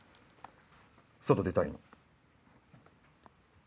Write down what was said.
外出たいの？